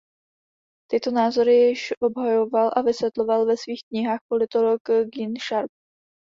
Tyto názory již obhajoval a vysvětloval ve svých knihách politolog Gene Sharp.